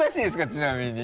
ちなみに。